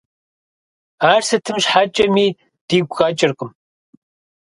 Ар сытым щхьэкӀэми дигу къэкӀыркъым.